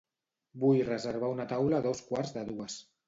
Vull reservar una taula a dos quarts de dues.